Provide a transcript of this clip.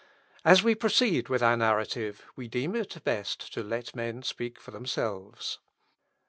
As we proceed with our narrative we deem it best to let men speak for themselves.